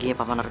kau akan menang